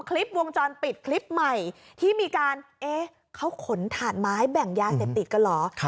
คลิปวงจรปิดคลิปใหม่ที่มีการเอ๊ะเขาขนถ่านไม้แบ่งยาเสพติดกันเหรอ